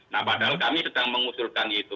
nah padahal kami sedang mengusulkan itu